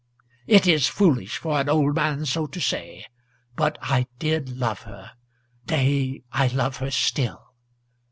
It is foolish for an old man so to say; but I did love her; nay, I love her still.